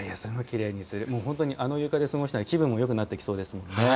本当にあの床で過ごしたら気分もよくなってきそうですもんね。